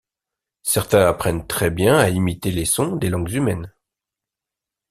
Certains apprennent très bien à imiter les sons des langues humaines.